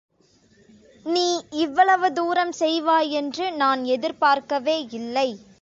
நீ இவ்வளவு தூரம் செய்வாயென்று நான் எதிர்பார்க்கவே இல்லை.